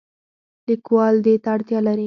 لیکوال دې ته اړتیا لري.